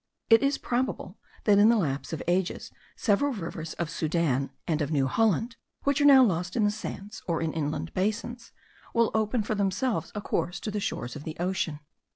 It is probable, that in the lapse of ages, several rivers of Soudan, and of New Holland, which are now lost in the sands, or in inland basins, will open for themselves a course to the shores of the ocean.